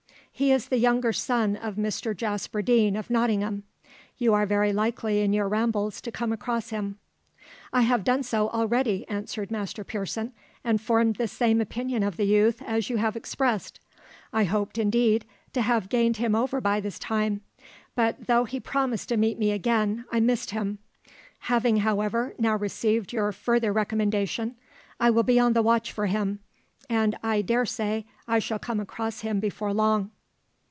He is the younger son of Mr Jasper Deane of Nottingham. You are very likely in your rambles to come across him." "I have done so already," answered Master Pearson, "and formed the same opinion of the youth as you have expressed. I hoped, indeed, to have gained him over by this time; but though he promised to meet me again, I missed him. Having, however, now received your further recommendation, I will be on the watch for him, and I dare say I shall come across him before long."